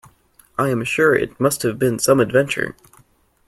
I am sure it must have been some adventure.